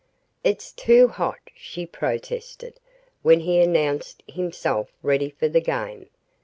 "It's too hot," she protested, when he announced himself ready for the game.